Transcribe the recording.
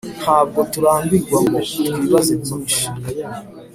Ntabwo turambirwa ngo twibaze byinshi